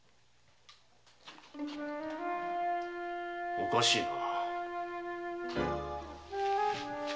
おかしいな？